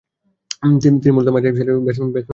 দলে তিনি মূলতঃ মাঝারি সারির ব্যাটসম্যান হিসেবে খেলছেন।